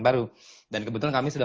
baru dan kebetulan kami sudah